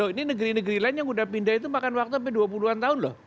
ini negeri negeri lain yang udah pindah itu makan waktu sampai dua puluh an tahun loh